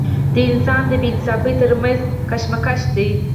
د انسان د بې انصافۍ تر منځ کشمکش دی.